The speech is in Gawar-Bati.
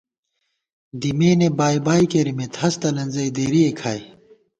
دِمېنےبائی بائی کېرِمېت ہست الَنزَئی دېرِئے کھائی